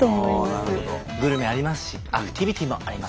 グルメありますしアクティビティーもあります。